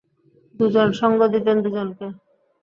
দু জন সঙ্গ দিতেন দু জনকে।